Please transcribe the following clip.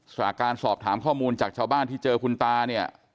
จากการสอบถามข้อมูลจากชาวบ้านที่เจอคุณตาเนี่ย